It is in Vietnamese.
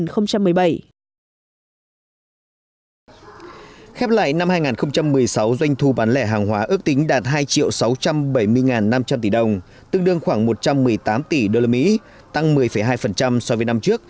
khép lại năm hai nghìn một mươi sáu doanh thu bán lẻ hàng hóa ước tính đạt hai sáu trăm bảy mươi năm trăm linh tỷ đồng tương đương khoảng một trăm một mươi tám tỷ usd tăng một mươi hai so với năm trước